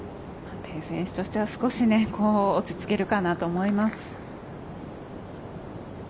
テイ選手としては少し落ち着けるかなと思います。